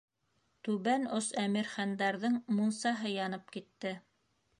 Тубән ос Әмирхандарҙың мунсаһы янып китте.